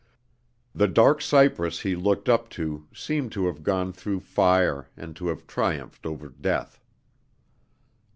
The dark cypress he looked up to seemed to have gone through fire and to have triumphed over death.